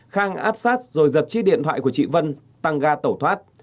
khang áp sát rồi giật chiếc điện thoại của chị vân tăng ga tẩu thoát